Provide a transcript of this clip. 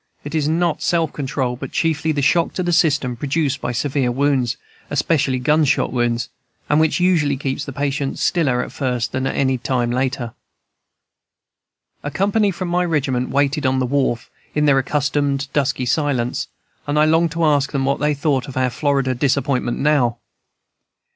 It is not self control, but chiefly the shock to the system produced by severe wounds, especially gunshot wounds, and which usually keeps the patient stiller at first than any later time. "A company from my regiment waited on the wharf, in their accustomed dusky silence, and I longed to ask them what they thought of our Florida disappointment now?